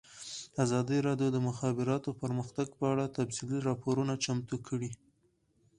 ازادي راډیو د د مخابراتو پرمختګ په اړه تفصیلي راپور چمتو کړی.